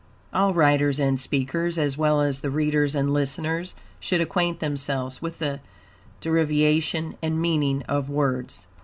All writers and speakers, as well as the readers and listeners, should acquaint themselves with the derivation and meaning of words.